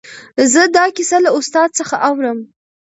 زه دا کیسه له استاد څخه اورم.